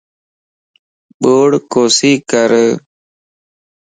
ٻوڙَ ڪوسي ڪر